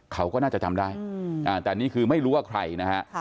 เขาก็น่าจะจำได้แต่นี่คือไม่รู้ว่าใครนะฮะ